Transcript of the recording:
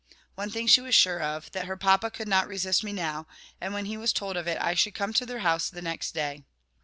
One thing she was sure of, that her Papa could not resist me now, and when he was told of it I should come to their house the next day.